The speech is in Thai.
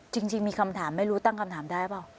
จริงมีคำถามไม่รู้ตั้งคำถามได้เปล่า